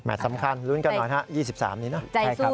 หมายความสำคัญลุ้นกันหน่อยนะ๒๓นี่นะ